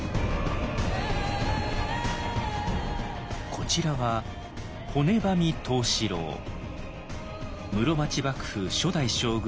こちらは室町幕府初代将軍